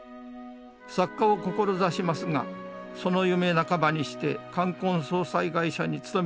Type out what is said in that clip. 作家を志しますがその夢半ばにして冠婚葬祭会社に勤めることになりました。